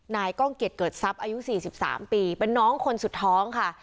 ก้องเกียจเกิดทรัพย์อายุ๔๓ปีเป็นน้องคนสุดท้องค่ะ